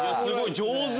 上手！